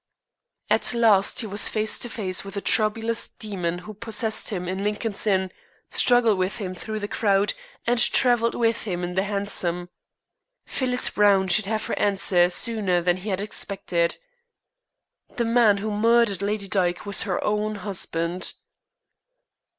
At last he was face to face with the troublous demon who possessed him in Lincoln's Inn, struggled with him through the crowd, and travelled with him in the hansom. Phyllis Browne should have her answer sooner than he had expected. The man who murdered Lady Dyke was her own husband.